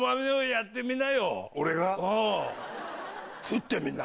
やってみな。